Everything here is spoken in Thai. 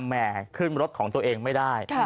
แห่ขึ้นรถของตัวเองไม่ได้